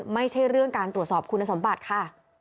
ไม่ใช่เรื่องการตรวจสอบคุณสมบัติค่ะ